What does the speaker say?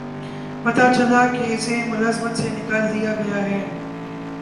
پتہ چلا کہ اسے ملازمت سے نکال دیا گیا ہے